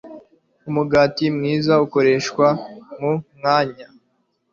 Umugati mwiza ukoreshwa mu mwanya